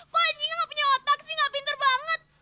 kok anjingnya gak punya otak sih gak pinter banget